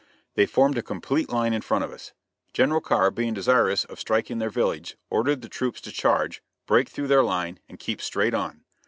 They formed a complete line in front of us. General Carr, being desirous of striking their village, ordered the troops to charge, break through their line, and keep straight on.